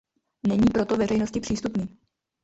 Není proto veřejnosti přístupný.